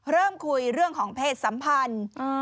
เริ่มคุยเรื่องของเพศสัมพันธ์